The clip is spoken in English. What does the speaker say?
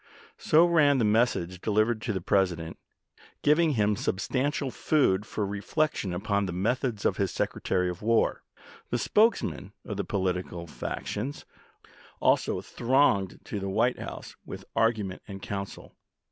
So ran the message delivered to the President, giving him substantial food for reflection upon the methods of his Secretary of War. The spokes men of the political factions also thronged to the White House with argument and counsel.